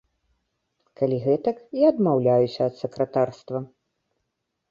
Калі гэтак, я адмаўляюся ад сакратарства.